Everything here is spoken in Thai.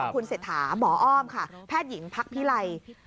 คุณเศรษฐาหมออ้อมค่ะแพทย์หญิงพักพิไล